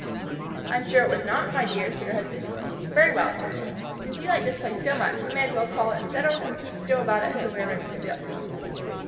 "I'm sure it was not, my dear," said her husband. "Very well," said she. "Since you like this place so much, we may as well call it settled and keep still about it until we are ready to build."